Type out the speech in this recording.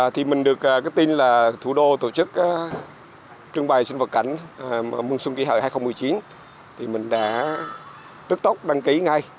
thì mình được tin là thủ đô tổ chức trưng bày sinh vật cảnh mừng xuân kỳ hợi hai nghìn một mươi chín thì mình đã tức tốc đăng ký ngay